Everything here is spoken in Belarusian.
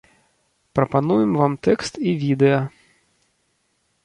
Прапануем вам тэкст і відэа.